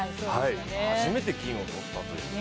初めて銀を取ったという。